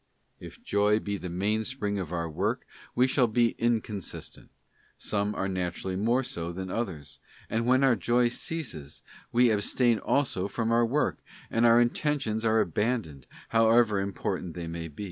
If Joy be the main spring of our work, we shall be incon sistent: some are naturally more so than others; and when our joy ceases, we abstain also from our work, and our inten tions are abandoned, however important they may be.